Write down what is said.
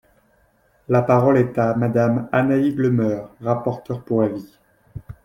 La parole est à Madame Annaïg Le Meur, rapporteure pour avis.